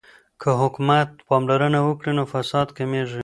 که حکومت پاملرنه وکړي نو فساد کمیږي.